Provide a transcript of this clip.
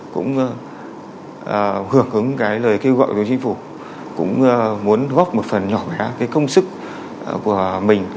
cũng hưởng ứng cái lời kêu gọi của chính phủ cũng muốn góp một phần nhỏ bé cái công sức của mình